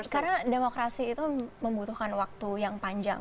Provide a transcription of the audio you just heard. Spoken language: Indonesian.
karena demokrasi itu membutuhkan waktu yang panjang